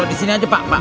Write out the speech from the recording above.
taruh di sini aja pak